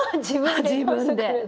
自分で。